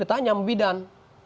ditanya sama bidan